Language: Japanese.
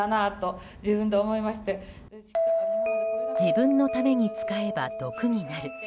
自分のために使えば毒になる。